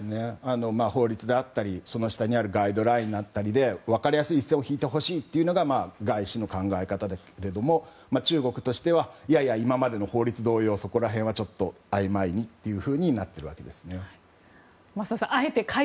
法律だったりその下にあるガイドラインに分かりやすい一線を引いてほしいのが外資の考え方ですが中国としては今までの法律と同様そこはあいまいにとなっているわけですね。